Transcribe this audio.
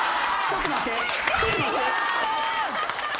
ちょっと待って。